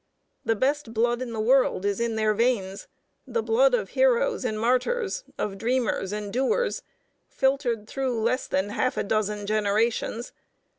The best blood in the world is in their veins, the blood of heroes and martyrs, of dreamers and doers, filtered through less than half a dozen generations.